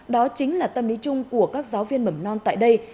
đó chính là tâm lý chung của các giáo viên mầm non tại đây